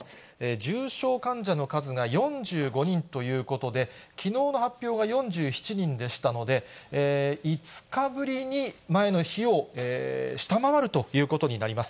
重症患者の数が４５人ということで、きのうの発表が４７人でしたので、５日ぶりに前の日を下回るということになります。